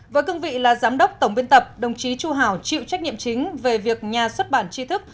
với cương vị là giám đốc tổng biên tập đồng chí chu hảo chịu trách nhiệm chính về việc nhà xuất bản tri thức